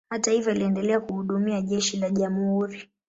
Hata hivyo, aliendelea kuhudumia jeshi la jamhuri.